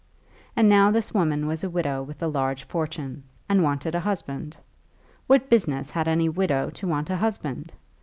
And now this woman was a widow with a large fortune, and wanted a husband! What business had any widow to want a husband?